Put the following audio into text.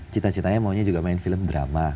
cita citanya maunya juga main film drama